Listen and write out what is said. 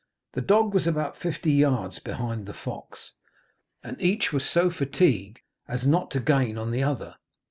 The dog was about fifty yards behind the fox, and each was so fatigued as not to gain on the other.